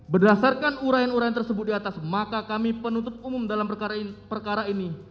berdasarkan urayan uraian tersebut di atas maka kami penuntut umum dalam perkara ini